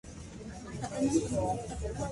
La Besseyre-Saint-Mary